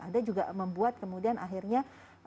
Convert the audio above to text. ada juga membuat kemudian akhirnya